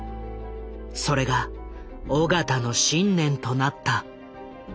それが緒方の信念となった。